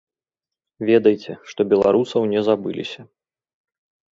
Ведайце, што беларусаў не забыліся.